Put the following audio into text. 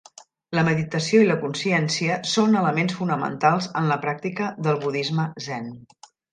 La meditació i la consciència són elements fonamentals en la pràctica del budisme zen.